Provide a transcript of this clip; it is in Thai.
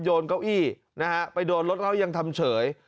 โยนเก้าอี้ไปโดนรถเรายังทำเฉย